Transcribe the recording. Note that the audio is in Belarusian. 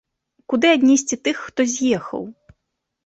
Куды аднесці тых, хто з'ехаў?